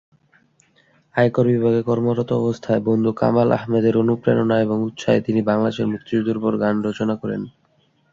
আয়কর বিভাগে কর্মরত অবস্থায় বন্ধু কামাল আহমেদের অনুপ্রেরণায় এবং উৎসাহে তিনি বাংলাদেশের মুক্তিযুদ্ধের উপর গান রচনা করেন।